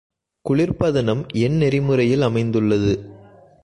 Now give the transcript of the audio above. குளிர்ப்பதனம் எந்நெறிமுறையில் அமைந்துள்ளது?